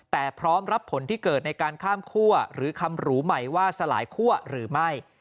แต่พร้อมรับผลที่เกิดในการข้ามคั่วหรือคำหรูใหม่ว่าสลายคั่วหรือไม่